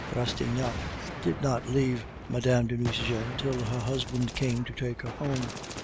Rastignac did not leave Mme. de Nucingen till her husband came to take her home.